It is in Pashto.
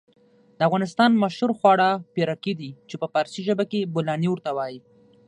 د افغانستان مشهور خواړه پيرکي دي چې په فارسي ژبه کې بولانى ورته وايي.